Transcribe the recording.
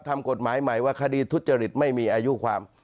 ทำกฎหมายใหม่ว่าคดีทุจริตไม่มีอายุความ